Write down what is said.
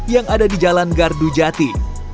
yang ada di jalan gardu jati